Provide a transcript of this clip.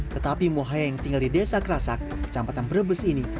tetapi muhaye yang tinggal di desa kerasak kecamatan brebes ini